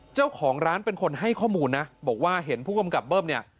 เจ้าของร้านเป็นคนให้ข้อมูลนะบอกว่าเห็นผู้กำกับเบิ้มเนี่ย